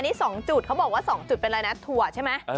อันนี้สองจุดเขาบอกว่าสองจุดเป็นอะไรนะถั่วใช่ไหม